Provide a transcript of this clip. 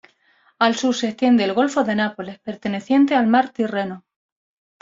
Al sur se extiende el golfo de Nápoles, perteneciente al Mar Tirreno.